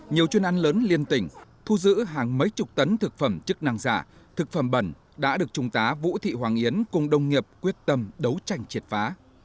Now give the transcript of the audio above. nhiều chuyên ăn lớn liên tỉnh thu giữ hàng mấy chục tấn thực phẩm chức năng giả thực phẩm bẩn đã được trung tá vũ thị hoàng yến cùng đồng nghiệp quyết tâm đấu tranh triệt phá